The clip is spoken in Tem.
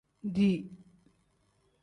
Dii.